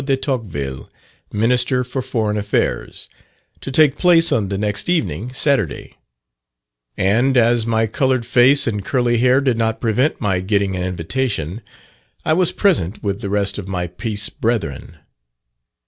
de Tocqueville, Minister for Foreign Affairs, to take place on the next evening (Saturday); and, as my coloured face and curly hair did not prevent my getting an invitation, I was present with the rest of my peace brethren.